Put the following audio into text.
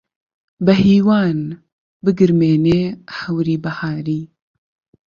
بەهیوان بگرمێنێ هەوری بەهاری